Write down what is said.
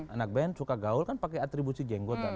anak band suka gaul kan pakai atribusi jenggotan